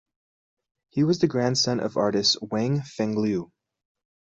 He was the grandson of artist Huang Fengliu.